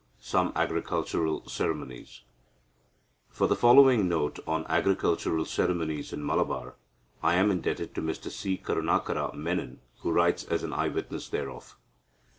XI SOME AGRICULTURAL CEREMONIES For the following note on agricultural ceremonies in Malabar, I am indebted to Mr C. Karunakara Menon, who writes as an eye witness thereof.